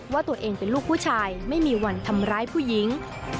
ว่าตัวเองเป็นลูกผู้ชายไม่มีวันทำร้ายผู้หญิง